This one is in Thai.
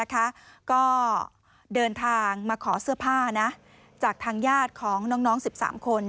ก็เดินทางมาขอเสื้อผ้าจากทางญาติของน้อง๑๓คน